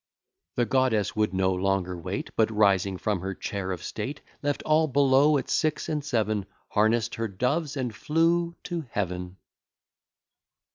The goddess would no longer wait; But, rising from her chair of state, Left all below at six and seven, Harness'd her doves, and flew to Heaven.